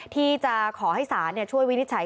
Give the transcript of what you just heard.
ที่จะขอให้ศาลช่วยวินิจฉัย